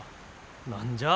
何じゃあ。